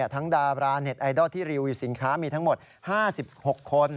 ดาราเน็ตไอดอลที่รีวิวสินค้ามีทั้งหมด๕๖คน